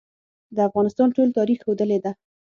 د افغانستان ټول تاریخ ښودلې ده.